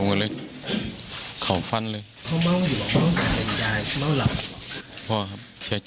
ทุกคนเลยครับ